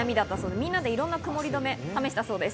みんなでいろんなくもり止めを試したそうです。